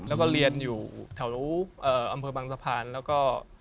แล้วก็เรียนอยู่แถวอำเภอบางสะพานแล้วก็